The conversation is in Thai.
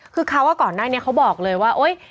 คือเขาก่อนหน้านี้เขาบอกเลยว่าโอ๊ย